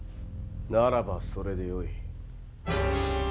ならばそれでよい。